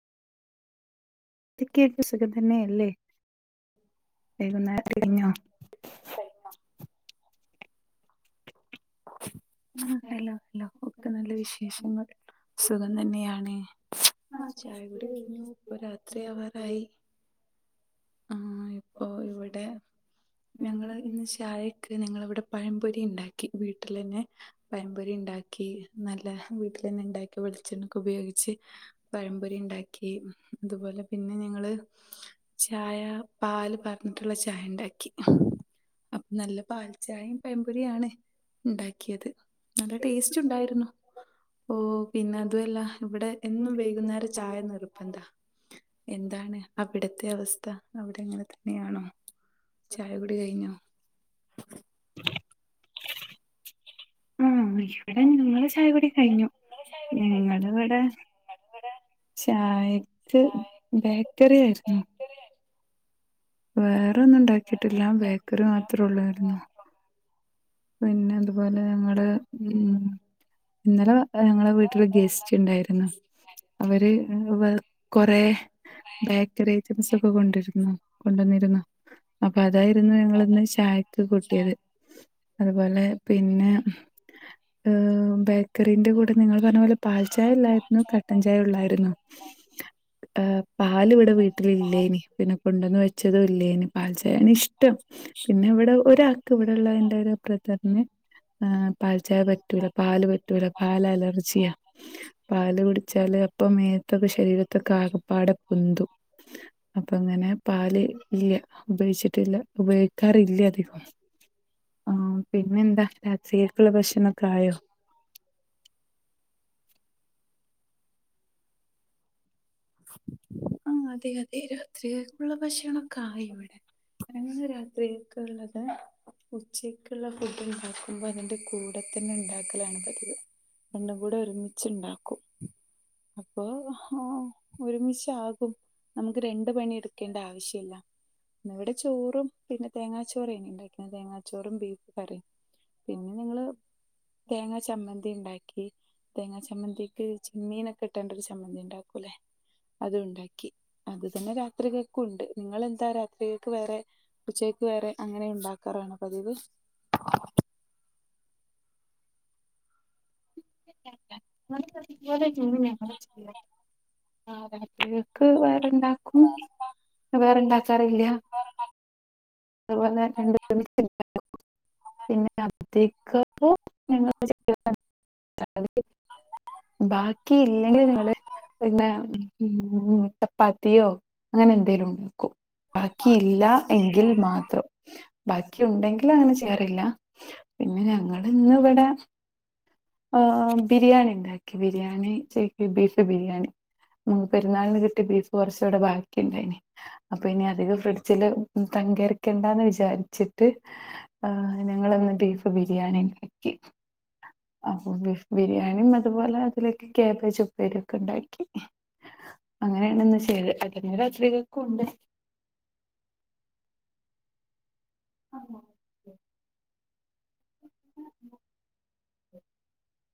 [unintelligible] സഖ തന്നെ അല്ലേ വൈകുന്നേരം കഴിഞ്ഞോ [inaudible] ആ അല്ലോ അല്ലോ ഒക്കെ നല്ല വിശേഷങ്ങൾ സുഖം തന്നെയാണ് ആ ചായ കുടി കഴിഞ്ഞു ഇപ്പ രാത്രി ആവാനായി ഇപ്പോ ഇവിടെ ഞങ്ങള് ഇന്ന് ചായക്ക് നിങ്ങളിവിടെ പഴംപൊരി ഉണ്ടാക്കി വീട്ടിൽ തന്നെ പഴംപൊരി ഉണ്ടാക്കി നല്ല വീട്ടില ഉണ്ടാക്കി വെളിച്ചെണ്ണൊക്കെ ഉപയോഗിച്ച് പഴംപൊരി ഉണ്ടാക്കി അതുപോലെ പിന്നെ ഞങ്ങള് [inaudible] ചായ പാല് പറഞ്ഞിട്ടുള്ള ചായ ഉണ്ടാക്കി അപ്പ നല്ല പാൽ ചായയും പൈപുരി ആണ് ഉണ്ടാക്കിയത് നല്ല ടേസ്റ്റ് ഉണ്ടായിരുന്നു ഓ പിന്നെ അതുമല്ല ഇവിടെ എന്നും വൈകുന്നേരം ചായ നിർബന്താ എന്താണ് ഇവിടത്തെ അവസ്ഥ അവിടെ ങ്ങനെ തന്നെയാണോ ചായ കുടി കഴിഞ്ഞോ [unintelligible] ആ ഇവിടെ ങ്ങള് ചായ കുടി കഴിഞ്ഞു ഞങ്ങള ഇവിടെ ചായക്ക് ബേക്കറി ആയിരുന്നു വേറെ ഒന്നും ഉണ്ടാക്കിട്ടില്ല ബേക്കറി മാത്രേള്ളായിരുന്നു പിന്നെ അതുപോലെ ഞങ്ങടെ ഉ ഇന്നലെ ഞങ്ങളെ വീട്ടില് ഗസ്റ്റ് ണ്ടായിരുന്നു അവര് കൊറെ ബേക്കറി അയ്റ്റംസ് കൊണ്ടിരുന്നു കൊണ്ടുവന്നിരുന്നു അപ്പൊ അതായിരുന്നു ഞങ്ങളന്ന് ചായക്ക് കൂട്ടിയത് അതുപോലെ പിന്നെ ബേക്കറിന്റെ കൂടെ നിങ്ങൾ പറഞ്ഞ പോലെ പാൽ ചായ ഇല്ലായിരുന്നു കട്ടൻ ചായ ഉള്ളായിരുന്നു [inaudible] ് പാൽ ഇവിടെ വീട്ടില ഇല്ലേനി പിന്നെ കൊണ്ടുവന്ന് വെച്ചതും ഇല്ലേന്പാൽ ചായയാണ് ഇഷ് ഇം പിന്നെ ഇവിടെ ഒരാൾക്ക് ഇവിടെള്ള എന്റെ ഒരു ബ്രദറിന് പാൽ ാൽ പറ്റൂല പാല് പറ്റ ലപാല് ല്അലർജിയാ പാ ല് കുടിച്ചാല് അപ്പമേത്ത് ശരീരത്തെൊ കെആകപ്പാട പൊതുും അപ്പ അങ്ങനെ പാല് ഇല്ല ഉപയോഗിച്ചിട്ടില്ല ഉപയോഗിക്കാറില്ല അധികം ആ പിന്നെന്താ രാത്രിയൊക്കെയുള്ള ഭക്ഷണംൊക്കെ ആയോ [inaudible] ആ അതെ അതെ രാത്രി ഉള്ള ഭക്ഷണംൊക്കെ ആയി ഇവിടെ ഞങ്ങക്ക് രാത്രി കെക്ക്ഉള്ളത് ഉച്ചക്കുള്ള ഫുഡ് ഉണ്ടാക്കുമ്പോ അതിന്റെ കൂടെ തന്നെ ഉണ്ടാക്കലാണ് പതിവ് രണ്ടും കൂടെ ഒരുമിച്ചുണ്ടാക്കും അപ്പൊ ഹ ഒരുമിച്ച് ആകും നമുക്ക് രണ്ട പണി എടുക്കേണ്ട ആവശ്യയില്ല ഇവിടെ ചോറും 'പിന്നെ തേങ്ങാ ചോ റെയ്ന് ഉണ്ടാക്കിന്ന് തേങ്ങാച്ചോറും ബീഫ് കറിയും പിന്നെ ഞങ്ങള് [inaudible] തേങ്ങാ ചമ്മന്തി ഉണ്ടായി തേങ്ങാ ചമ്മന്തിക്ക് ചെമ്മീനെ ക്കെ' ഇട്ടേണ്ട ഒരു ചമ്മന്തി ഉണ്ടാക്കൂലെ [inaudible] അത് ഉണ്ടാക്കി അത് തന്നെ രാത്രികൾക്ക ഉണ്ട് നിങ്ങെന്താ രാത്രികൾക്ക് വേറെ ഉച്ചക്ക് വേറെ അങ്ങനെ ഉണ്ടാക്കാറാണ് പതിവ് [inaudible] ള [unintelligible] ആ രാത്രികൾക്ക് വേറെണ്ടാക്കും വേറെണ്ടാക്കാറി ല്യ അതുപോല രണ്ട പിന്നെ അക്കങ്ങ [unintelligible] ബാക്കി ഇല്ലെങ്കിൽ നിങ്ങള് പിന്നെ മു ചപ്പാത്തിയോ അങ്ങനെ എന്തെലും ഉണ്ടാക്കോ ബാക്കിയില്ല എങ്കിൽ മാത്രം ബാക്കി ഉണ്ടെങ്കിൽ അങ്ങനെ റില്ല പിന്നെ ഞങ്ങ ഇന്ന് ഇവിടെ ആ ബിരിയാണി ഉണ്ടാക്കി ബിരിയാണി ചേി ബീഫ് ബിരിയാണി പെരുന്നാളിന് കിട്ടി ബീഫ് കുറച്ചുകൂടെ ബാക്കിുണ്ടായിനി അപ്പൊ ഇനി അധികം ഫ്രിഡ്ജില് അങ്കരിക്കണ്ട എന്ന് വിചാരിച്ചിട്ട് ആ ഞങ്ങളൊന്ന് ബീഫ് ബിരിയാണിണ്ടാക്കി അപ്പൊ ബീഫ്ബിരിയാണിയും അതുപോലെ അതിലൊക്കെ കാബേജ് ഉപ്പേരിൊക്കെ ഉണ്ടാക്കി അങ്ങനെയാണ് ഒന്ന് ചെയ്ത് അതിന അരാത്രികൾക്ക ഉണ്ട് ആഹ [unintelligible] ഉ [unintelligible]